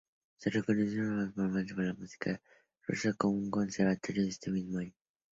Se reconoció formalmente por la Sociedad Musical Rusa como un conservatorio ese mismo año.